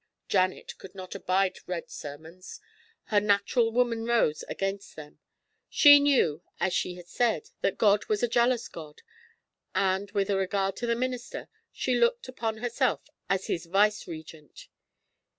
Janet could not abide read sermons; her natural woman rose against them. She knew, as she had said, that God was a jealous God, and, with regard to the minister, she looked upon herself as His viceregent.